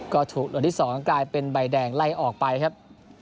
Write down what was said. ก็ถูกลอดที่๒เป็นใบแดงไล่ออกไปครับ